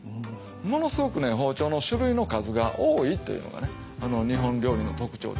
ものすごく包丁の種類の数が多いっていうのが日本料理の特徴ですよね。